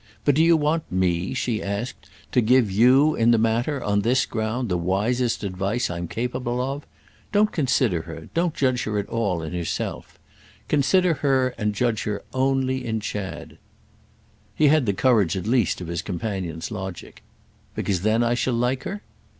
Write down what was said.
But do you want me," she asked, "to give you in the matter, on this ground, the wisest advice I'm capable of? Don't consider her, don't judge her at all in herself. Consider her and judge her only in Chad." He had the courage at least of his companion's logic. "Because then I shall like her?"